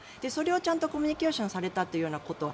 ちゃんとコミュニケーションされたということ。